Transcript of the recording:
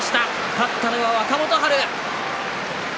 勝ったのは若元春。